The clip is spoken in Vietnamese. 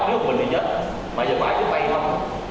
nếu mình đi nhất bà bái trước tay không